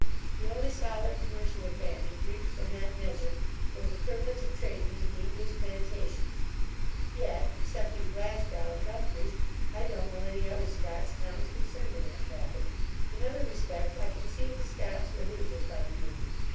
The only solid commercial advantage reaped from that measure, was the privilege of trading to the English plantations; yet, excepting Glasgow and Dumfries, I don't know any other Scotch towns concerned in that traffick. In other respects, I conceive the Scots were losers by the union.